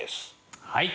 はい。